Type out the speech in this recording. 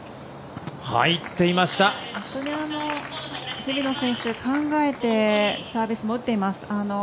日比野選手、考えてサービスを打っています。